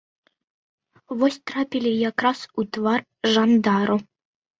Вось трапілі якраз у твар жандару!